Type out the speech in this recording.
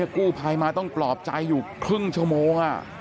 กู้ภัยมาต้องปลอบใจอยู่ครึ่งชั่วโมง